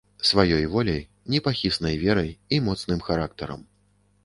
Сваёй воляй, непахіснай верай і моцным характарам.